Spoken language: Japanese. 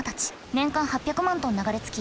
年間８００万トン流れ着き